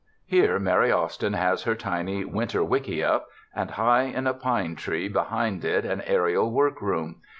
Here Mary Austin has her tiny ''winter wickiup" and high in a pine tree be hind it an aerial work room.